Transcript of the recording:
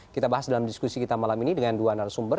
kita bahas dalam diskusi kita malam ini dengan dua narasumber